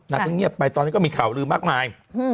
นางก็เงียบไปตอนนั้นก็มีข่าวลืมมากมาย